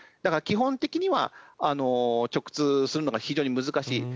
基本的には直通するのが非常に難しい。